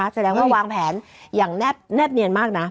แสดงว่าวางแผนอย่างแนบเนียนมากนะ